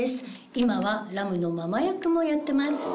今はラムのママ役もやってます。